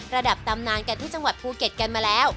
ระดับตำนานกันที่จังหวัดภูเก็ตกันมาแล้ว